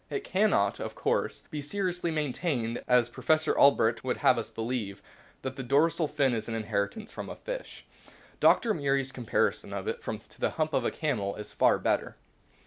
It cannot, of course, be seriously maintained, as Professor Albrecht would have us believe, that the dorsal fin is an in heritance from a fish. Dr. Murie's comparison of it to the hump of the camel is far better.